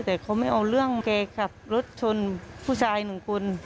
แต่เขาไม่เอาเรื่องแกขับรถชนผู้ชายหนึ่งคน